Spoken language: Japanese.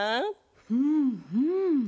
うんうん。